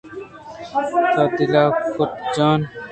تو دل ءَ کُتّ جان